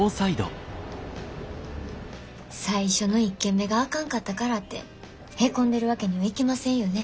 最初の１件目があかんかったからってヘコんでるわけにはいきませんよね。